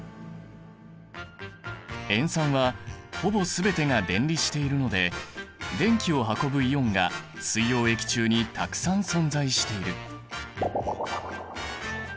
塩酸はほぼ全てが電離しているので電気を運ぶイオンが水溶液中にたくさん存在している。